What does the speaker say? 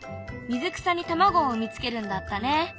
水草に卵を産み付けるんだったね。